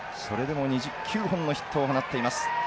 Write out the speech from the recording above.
それでも９本のヒットを放っています。